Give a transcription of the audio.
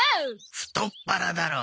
太っ腹だろ。